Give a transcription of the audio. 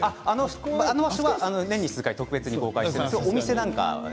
あの場所は年に数回特別に公開しています。